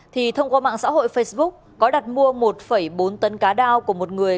thì thông qua mạng xã hội facebook có đặt mua một bốn tấn cá đao của một người